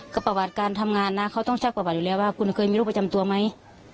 ก็ประวัติการทำงานนะเขาต้องซักประวัติอยู่แล้วว่าคุณเคยมีโรคประจำตัวไหม